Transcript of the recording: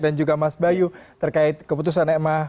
dan juga mas bayu terkait keputusan ma